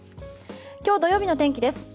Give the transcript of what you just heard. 今日土曜日の天気です。